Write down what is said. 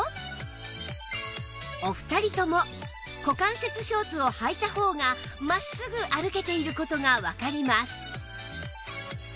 お二人とも股関節ショーツをはいた方が真っすぐ歩けている事がわかります